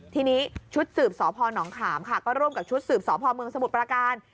ทีนี้ชุดสืบสพนขามค่ะก็ร่วมกับชุดสืบสพเมืองสมุทรประการ